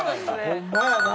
ホンマやな。